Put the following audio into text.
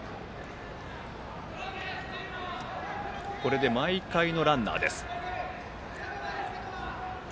これで毎回のランナーです。